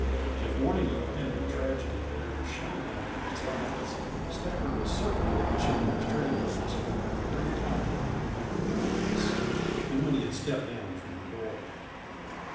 If warning of impending tragedy had ever shone in a man's eyes, Stafford was certain that it had shone in the stray man's during the brief time that he had been in the office and when he had stepped down from the door.